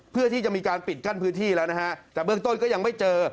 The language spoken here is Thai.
เพื่อที่จะมีการปิดกั้นพื้นที่แล้วนะฮะแต่เบื้องต้นก็ยังไม่เจอ